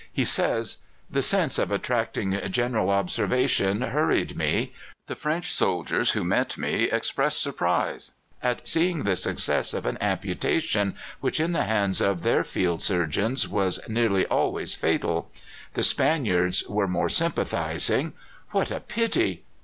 He says: "The sense of attracting general observation hurried me. The French soldiers who met me expressed surprise at seeing the success of an amputation which in the hands of their field surgeons was nearly always fatal. The Spaniards were most sympathizing. 'What a pity!